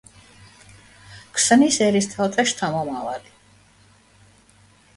ქსნის ერისთავთა შთამომავალი.